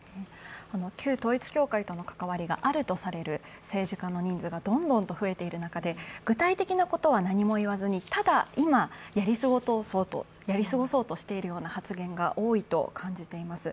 旧統一教会との関わりがあるとされる政治家の人数がどんどんと増えている中で具体的なことは何も言わずにただ今、やり過ごそうとしているような発言が多いと感じています。